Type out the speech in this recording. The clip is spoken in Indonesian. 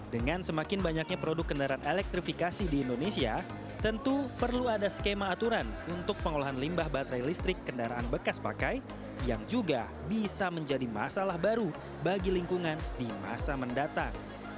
dengan semakin banyaknya produk kendaraan elektrifikasi di indonesia tentu perlu ada skema aturan untuk pengolahan limbah baterai listrik kendaraan bekas pakai yang juga bisa menjadi masalah baru bagi lingkungan di masa mendatang